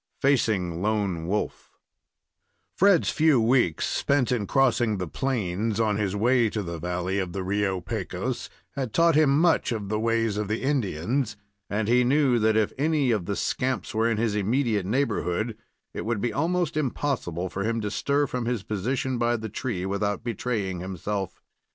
FACING LONE WOLF Fred's few weeks spent in crossing the plains on his way to the valley of the Rio Pecos had taught him much of the ways of the Indians, and he knew that if any of the scamps were in his immediate neighborhood, it would be almost impossible for him to stir from his position by the tree without betraying himself.